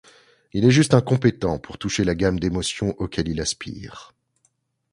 Il est juste incompétent pour toucher la gamme d'émotions auquel il aspire.